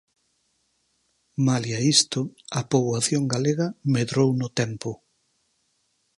Malia isto, a poboación galega medrou no tempo.